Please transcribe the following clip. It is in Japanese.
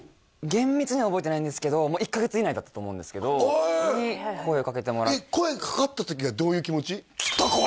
厳密には覚えてないんですけど１カ月以内だったと思うんですけどへえ声かかった時はどういう気持ち？